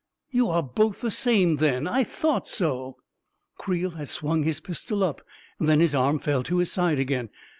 You are both the same, then ! I thought so 1 " Creel had swung his pistol up — then his arm fell to his side again.